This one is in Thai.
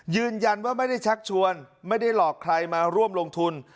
ยืนยันว่าไม่ได้ชักชวนไม่ได้หลอกใครมาร่วมลงทุน